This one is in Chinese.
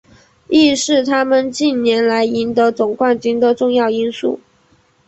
亦是他们近年来赢得总冠军的重要因素。